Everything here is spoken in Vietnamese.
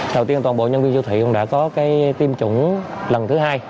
đầu tiên toàn bộ nhân viên siêu thị cũng đã có tiêm chủng lần thứ hai